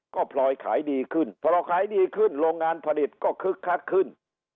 ก็พลอยขายดีขึ้นพอเราขายดีขึ้นโรงงานผลิตก็คึกคักขึ้น